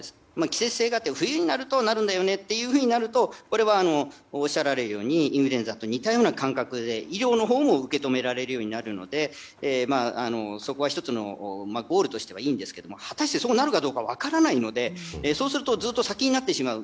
季節性があって冬になるとかかるんだよねというのがあるとインフルエンザと似たような感覚で、医療のほうも受け止められるようになるので１つのゴールとしてはいいんですけども果たしてそうなるかどうか分からないのでそうするとずっと先になってしまう。